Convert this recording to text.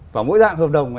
và mỗi dạng hợp đồng